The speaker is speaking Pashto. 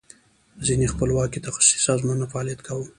ځینې خپلواکي تخصصي سازمانونو فعالیت کاو.